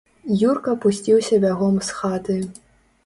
Юрка пусціўся бягом з хаты.